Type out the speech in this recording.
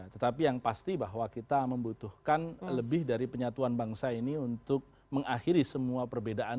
tetapi yang pasti bahwa kita membutuhkan lebih dari penyatuan bangsa ini untuk mengakhiri semua perbedaan